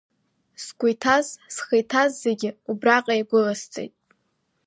Сгәы иҭаз, схы иҭаз зегьы убраҟа иагәыласҵеит.